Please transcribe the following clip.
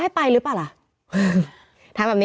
อ่าอ่าอ่าอ่าอ่า